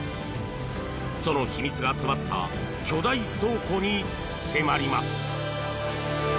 その秘密が詰まった巨大倉庫に迫ります。